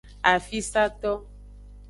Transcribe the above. Afisato.